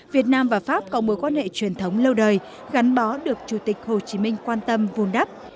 việt nam và pháp cộng bối quan hệ truyền thống lâu đời gắn bó được chủ tịch hồ chí minh quan tâm vùn đắp